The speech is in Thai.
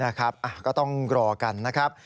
นะครับก็ต้องรอกันนะครับ